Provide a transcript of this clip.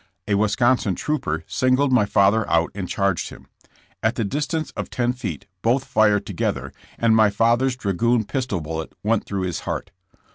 A Wiscon sin trooper singled my father out and charged him. At the distance of ten feet both fired together and my father's dragoon pistol bullet went through his heart.